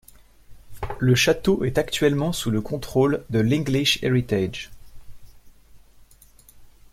Le château est actuellement sous le contrôle de l'English Heritage.